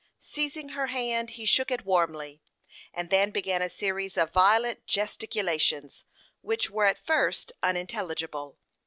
Seizing her hand, he shook it warmly, and then began a series of violent gesticulations, which were at first unintelligible.